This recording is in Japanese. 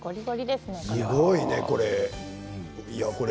すごいね、これ。